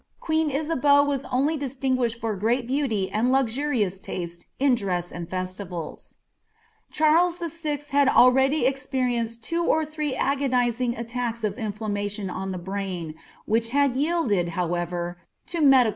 Queen Isabeau was only distinguished for great beauty an^ luxurious taste in dress and festivals. Charles VI. had already experienced two or three agonising attackr if inflammatiofi on the brain, which had yielded, however, to medica.